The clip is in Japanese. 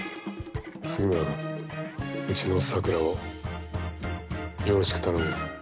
杉村君うちの咲良をよろしく頼むよ。